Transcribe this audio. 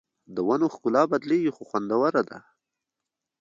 د ونو ښکلا بدلېږي خو خوندوره ده